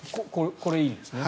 これ、いいんですね。